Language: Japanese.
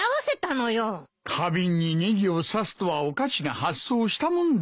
花瓶にネギを挿すとはおかしな発想をしたもんだ。